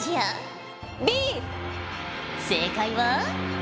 正解は。